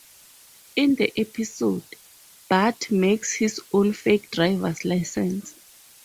In the episode, Bart makes his own fake driver's license.